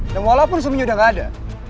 dan walaupun suaminya udah gak ada